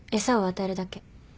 餌を与えるだけ。